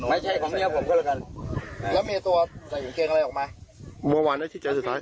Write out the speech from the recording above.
อะผมรู้นี่